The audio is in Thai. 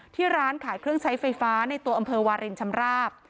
ที่ร้านขายเครื่องใช้ไฟฟ้าในตัวอำเภอวารินชำราบ